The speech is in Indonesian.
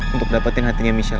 untuk dapetin hatinya michelle